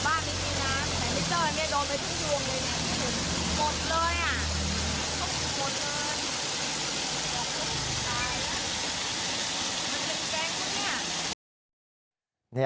มันเป็นแจงตัวเนี่ย